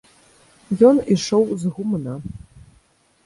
Ён ішоў з гумна.